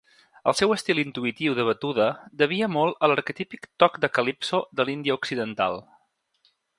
El seu estil intuïtiu de batuda devia molt a l'arquetípic toc de calypso de l'Índia Occidental.